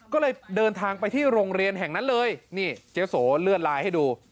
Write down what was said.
ก็เลยเดินทางไปที่โรงเรียนแห่งนั้นเลยนี่เจ๊โสเลือดลายให้ดู